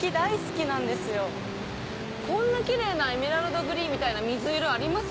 こんなきれいなエメラルドグリーンみたいな水色あります？